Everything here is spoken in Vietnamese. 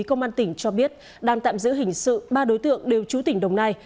công an tỉnh cho biết đang tạm giữ hình sự ba đối tượng đều trú tỉnh đồng nai